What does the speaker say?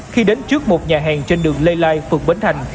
khi đến trước một nhà hàng trên đường lê lai quận bến thành